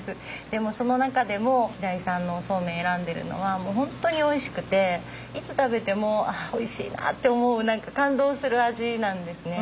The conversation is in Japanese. でもその中でも平井さんのおそうめん選んでるのはもう本当においしくていつ食べても「ああおいしいなあ」って思う感動する味なんですね。